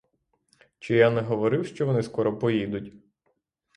Чи я не говорив, що вони скоро поїдуть?